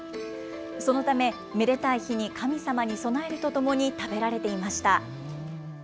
そのため、めでたい日に神様に供えるとともに、食べられていました。